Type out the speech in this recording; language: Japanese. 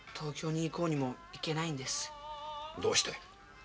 どうして？